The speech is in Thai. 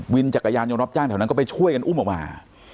จักรยานยนต์รับจ้างแถวนั้นก็ไปช่วยกันอุ้มออกมา